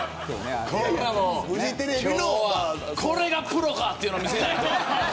これがプロかというのを見せないと。